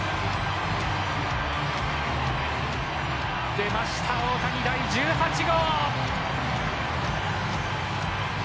出ました大谷第１８号！